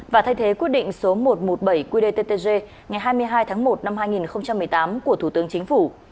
và thay thế quyết định số một trăm một mươi bảy qdttg ngày hai mươi hai tháng một năm hai nghìn một mươi tám của thủ tướng chính phủ